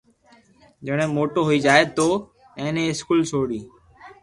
جيڻي موٽو ھوئي جائي تو ائني اسڪول سوري